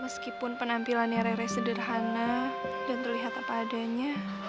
meskipun penampilannya rere sederhana dan terlihat apa adanya